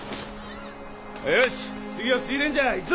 よし次は水練じゃ行くぞ！